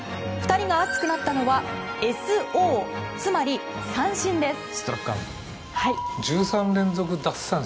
２人が熱くなったのは「ＳＯ」つまり三振です。